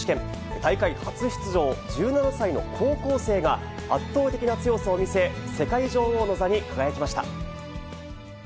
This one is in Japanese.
大会初出場、１７歳の高校生が、圧倒的な強さを見せ、世界女王の座に輝きました。